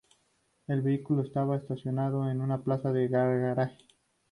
El vehículo estaba estacionado en una plaza de garaje.